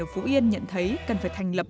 ở phú yên nhận thấy cần phải thành lập